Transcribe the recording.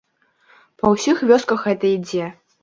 Па ўсіх вёсках гэта ідзе.